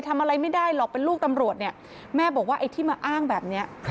ทำอะไรไม่ได้หรอกเป็นลูกตำรวจเนี่ยแม่บอกว่าไอ้ที่มาอ้างแบบนี้